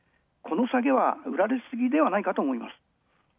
この下げは売られすぎではないかと思います。